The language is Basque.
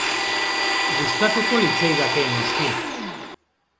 Gustatuko litzaidake, noski.